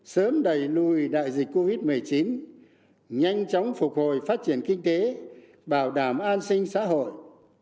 sớm đẩy lùi đại dịch covid một mươi chín nhanh chóng phục hồi phát triển kinh tế bảo đảm an sinh xã hội